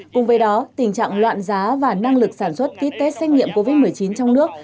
cùng với đó tình trạng loạn giá và năng lực sản xuất ký test xét nghiệm covid một mươi chín trong nước